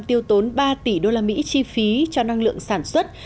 tiêu tốn ba tỷ usd chi phí cho năng lượng sản xuất